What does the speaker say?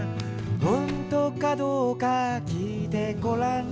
「ほんとかどうかきいてごらん」